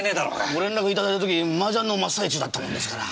ご連絡いただいた時麻雀の真っ最中だったもんですから。